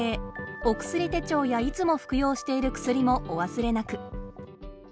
お薬手帳やいつも服用している薬もお忘れなく。